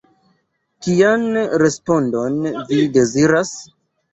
Kian respondon vi deziras?